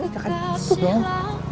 jangan gitu dong